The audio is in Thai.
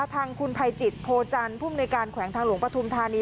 ทางคุณภัยจิตโพจันทร์ภูมิในการแขวงทางหลวงปฐุมธานี